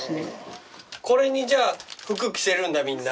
これに服着せるんだみんな。